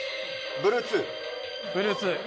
ブルー２。